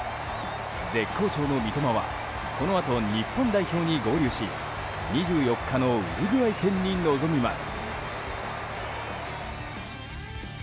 絶好調の三笘はこのあと、日本代表に合流し２４日のウルグアイ戦に臨みます。